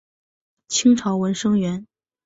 清朝文生员。